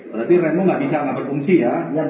berarti remu gak bisa gak berfungsi ya